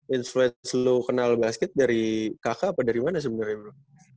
influence lu kenal basket dari kakak apa dari mana sebenarnya bu